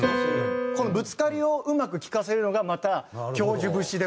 このぶつかりをうまく聴かせるのがまた教授節でもある。